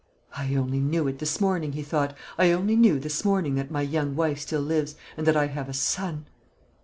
"I only knew it this morning," he thought; "I only knew this morning that my young wife still lives, and that I have a son."